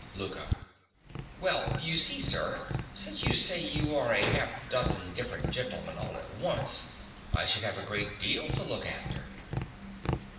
LOUKA. Well, you see, sir, since you say you are half a dozen different gentlemen all at once, I should have a great deal to look after.